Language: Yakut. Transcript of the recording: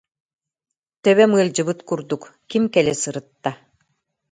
Төбөм ыалдьыбыт курдук, ким кэлэ сырытта